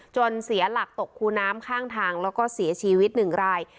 เสียหลักตกคูน้ำข้างทางแล้วก็เสียชีวิตหนึ่งราย